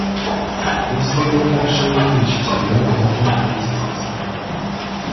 Им следует также увеличивать объем внутренних инвестиций.